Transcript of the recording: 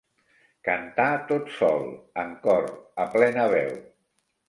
Cantar tot sol, en cor, a plena veu.